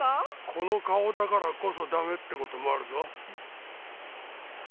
この顔だからこそダメって事もあるぞ。